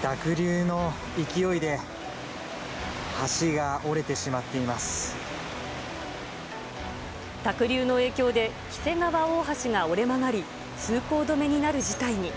濁流の勢いで、橋が折れてしまっ濁流の影響で、黄瀬川大橋が折れ曲がり、通行止めになる事態に。